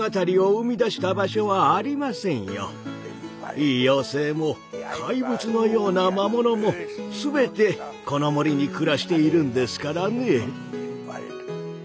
いい妖精も怪物のような魔物もすべてこの森に暮らしているんですからね。